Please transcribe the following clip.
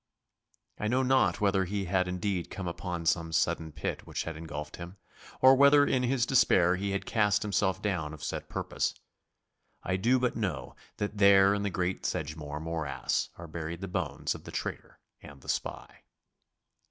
I know not whether he had indeed come upon some sudden pit which had engulfed him, or whether in his despair he had cast himself down of set purpose. I do but know that there in the great Sedgemoor morass are buried the bones of the traitor and the spy.